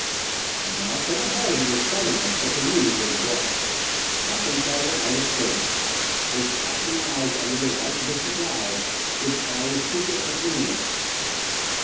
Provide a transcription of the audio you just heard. And now Colonel Halsey was telling us that the news was abroad! Captain Carter eyed us closely; his flashing eyes under the white bushy brows would pry a secret from anyone.